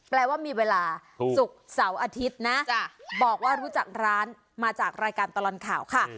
แปลว่ามีเวลาศุกร์เสาร์อาทิตย์นะบอกว่ารู้จักร้านมาจากรายการตลอดข่าวค่ะ